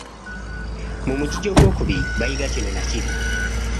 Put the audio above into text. Mu mugigi ogwokubiri bayiga kino na kiri.